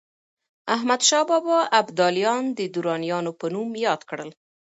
احمدشاه بابا ابداليان د درانیانو په نوم ياد کړل.